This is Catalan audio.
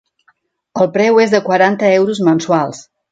El preu és de quaranta euros mensuals.